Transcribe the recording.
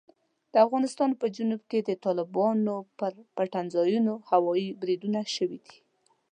د افغانستان په جنوب کې د طالبانو پر پټنځایونو هوايي بریدونه شوي دي.